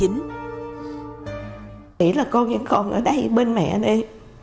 nghĩ là con vẫn còn ở đây bên mẹ này